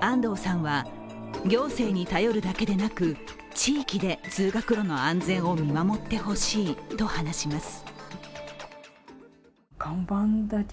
安藤さんは、行政に頼るだけでなく地域で通学路の安全を見守ってほしいと話します。